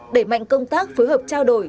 để mạnh công tác phối hợp trao đổi